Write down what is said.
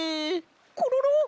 コロロ！